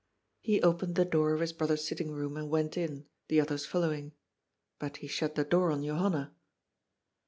He opened the door of his brother's sitting room and went in, the others following. But he shut the door on Johanna.